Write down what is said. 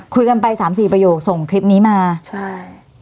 คุยกันไปสามสี่ประโยคส่งคลิปนี้มาใช่